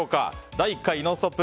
第１回「ノンストップ！」